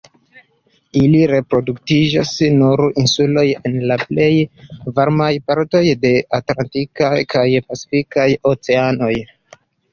Ili reproduktiĝas sur insuloj en la plej varmaj partoj de Atlantika kaj Pacifika Oceanoj.